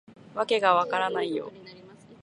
わけが分からないよ